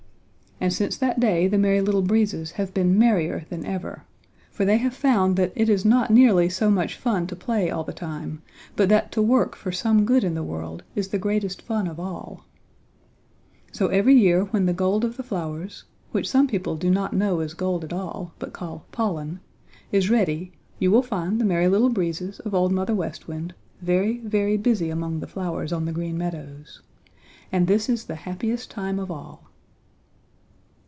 And since that day the Merry Little Breezes have been merrier than ever, for they have found that it is not nearly so much fun to play all the time, but that to work for some good in the world is the greatest fun of all. So every year when the gold of the flowers, which some people do not know is gold at all but call pollen, is ready you will find the Merry Little Breezes of Old Mother West Wind very, very busy among the flowers on the Green Meadows. And this is the happiest time of all.